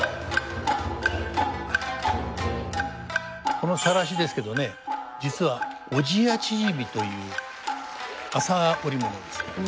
この晒しですけどね実は小千谷縮という麻織物ですけども。